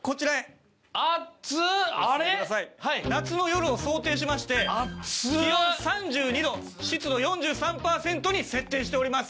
夏の夜を想定しまして気温３２度湿度４３パーセントに設定しております。